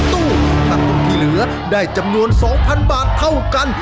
ตู้ถ้าตู้ที่เหลือได้จำนวน๒๐๐บาทเท่ากัน